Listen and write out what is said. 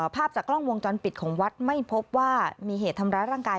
ภาพจากกล้องวงจรปิดของวัดไม่พบว่ามีเหตุทำร้ายร่างกาย